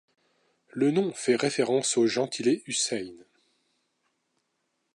Le nom fait référence au gentilé Hussein.